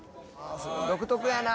独特やな